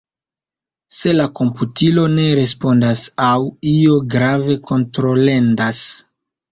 Se la komputilo ne respondas aŭ io grave kontrolendas.